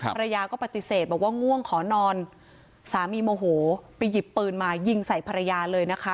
ภรรยาก็ปฏิเสธบอกว่าง่วงขอนอนสามีโมโหไปหยิบปืนมายิงใส่ภรรยาเลยนะคะ